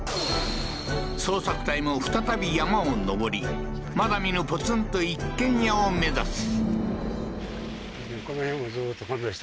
捜索隊も再び山を上りまだ見ぬポツンと一軒家を目指す